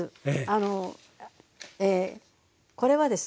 あのこれはですね